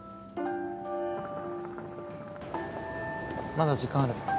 まだ時間ある？